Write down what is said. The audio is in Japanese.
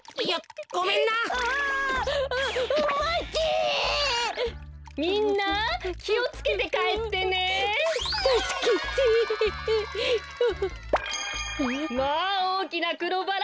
まあおおきなくろバラ。